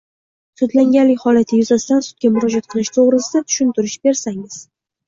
Sudlanganlik holati yuzasidan sudga murojaat qilish to‘g‘risida tushuntirish bersangiz?